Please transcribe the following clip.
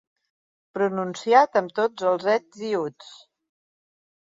Pronunciat amb tots els ets i els uts.